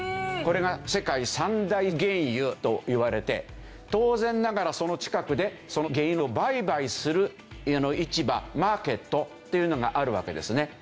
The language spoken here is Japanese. これが世界三大原油といわれて当然ながらその近くでその原油を売買する市場マーケットっていうのがあるわけですね。